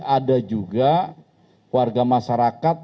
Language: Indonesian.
ada juga warga masyarakat